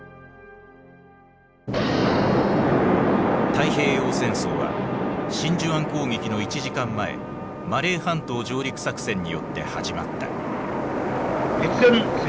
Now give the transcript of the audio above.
太平洋戦争は真珠湾攻撃の１時間前マレー半島上陸作戦によって始まった。